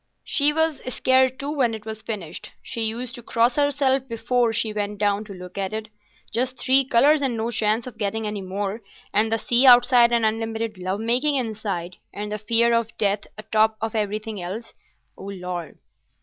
"She was scared too when it was finished. She used to cross herself before she went down to look at it. Just three colours and no chance of getting any more, and the sea outside and unlimited love making inside, and the fear of death atop of everything else, O Lord!"